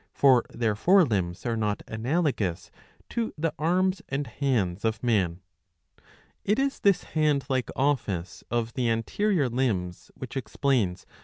*^ For their fore limbs are not analogous to the arms and hands of man.^" It is this hand like office of the anterior limbs which explains 688a.